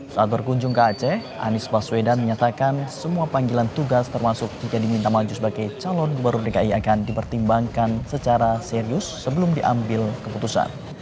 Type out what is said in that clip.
saat berkunjung ke aceh anies baswedan menyatakan semua panggilan tugas termasuk jika diminta maju sebagai calon gubernur dki akan dipertimbangkan secara serius sebelum diambil keputusan